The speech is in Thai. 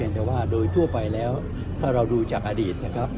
แต่ว่าโดยทั่วไปแล้วถ้าเราดูจากอดีตนะครับ